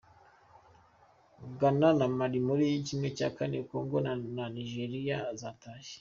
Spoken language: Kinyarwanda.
Gana na Mali muri kimwe cyakane kongo na Nijeriya zatashye